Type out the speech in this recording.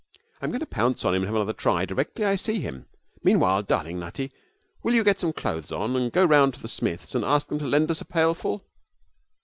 'I'm going to pounce on him and have another try directly I see him. Meanwhile, darling Nutty, will you get some clothes on and go round to the Smiths and ask them to lend us a pailful?'